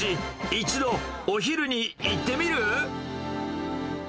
一度、お昼に行ってみる？